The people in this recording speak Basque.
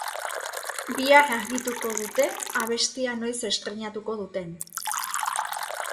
Bihar argituko dute abestia noiz estreinatuko duten.